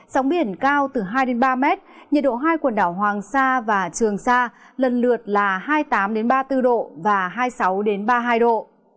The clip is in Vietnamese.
sóng biển cao từ hai ba mét nhiệt độ hai quần đảo hoàng sa và trường sa lần lượt là hai mươi tám ba mươi bốn độ và hai mươi sáu ba mươi hai độ